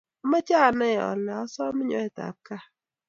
ameche inai ale asome nyoetab kaat